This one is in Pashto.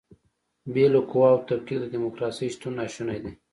بې له قواوو تفکیک د دیموکراسۍ شتون ناشونی دی.